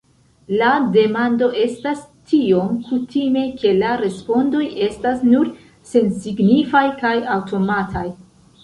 La demando estas tiom kutime, ke la respondoj estas nur sensignifaj kaj aŭtomataj.